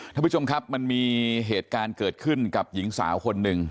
ท่านผู้ชมครับมันมีเหตุการณ์เกิดขึ้นกับหญิงสาวคนหนึ่ง